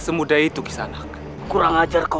ampun dia saya juga mencintaimu